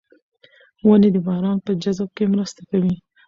ونې د باران په جذب کې مرسته کوي.